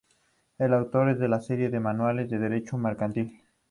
Es autor de una serie de manuales de derecho mercantil.